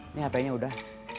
ini hp nya udah